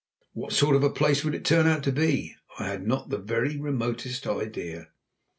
What sort of a place it would turn out to be I had not the very remotest idea.